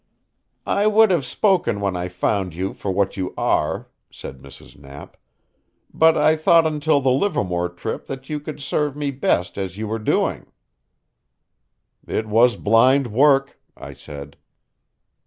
"I would have spoken when I found you for what you are," said Mrs. Knapp, "but I thought until the Livermore trip that you could serve me best as you were doing." "It was blind work," I said.